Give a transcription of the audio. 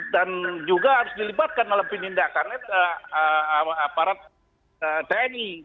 dan juga harus dilibatkan melalui tindakan aparat tni